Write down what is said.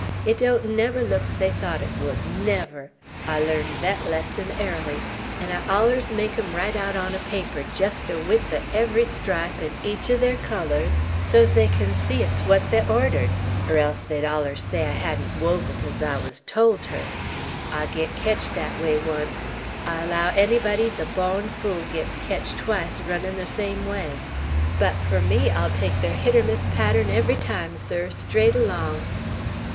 It don't never look's they thought 't would, never! I larned thet lesson airly; 'n' I allers make 'em write aout on a paper, jest ther wedth er every stripe, 'n' each er ther colors, so's they kin see it's what they ordered; 'r else they'd allers say I hedn't wove 't's I wuz told ter. I got ketched thet way oncet! I allow ennybody's a bawn fool gits ketched twice runnin' ther same way. But fur me, I'll take ther 'hit er miss' pattren, every time, sir, straight along."